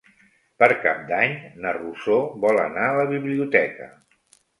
Per Cap d'Any na Rosó vol anar a la biblioteca.